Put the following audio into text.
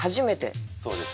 そうです。